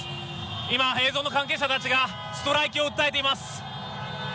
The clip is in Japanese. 今、映像の関係者たちがストライキを訴えています。